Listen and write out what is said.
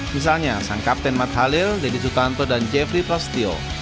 misalnya sang kapten matt halil deddy sutanto dan jeffrey prasetyo